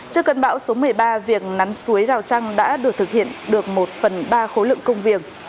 trước cơn bão số một mươi ba việc nắn suối rào trăng đã được thực hiện được một phần ba khối lượng công việc